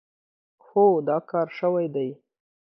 هو، دا کار شوی دی.